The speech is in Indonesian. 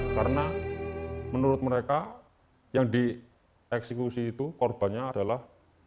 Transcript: karena menurut mereka yang dieksekusi itu korbannya adalah